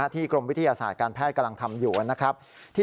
กรมวิทยาศาสตร์การแพทย์กำลังทำอยู่นะครับ